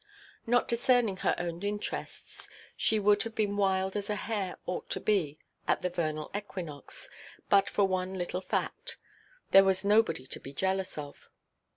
Not discerning her own interests, she would have been wild as a hare ought to be at the vernal equinox, but for one little fact. There was nobody to be jealous of.